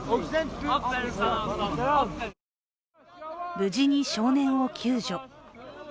無事に少年を救助。